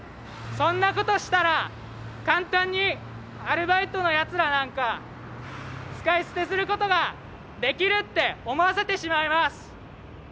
そんなことしたら「簡単にアルバイトのやつらなんか使い捨てすることができる」って思わせてしまいます。